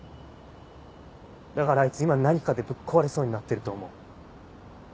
だからあいつ今何かでぶっ壊れそうになってると思う。